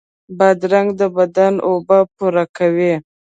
بادرنګ د بدن اوبه پوره کوي.